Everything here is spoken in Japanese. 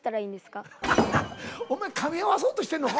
ハハッお前かみ合わそうとしてんのか？